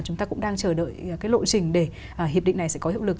chúng ta cũng đang chờ đợi cái lộ trình để hiệp định này sẽ có hiệu lực